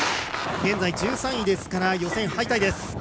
現在１３位ですから予選敗退です。